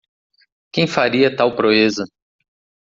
Quem faria tal proeza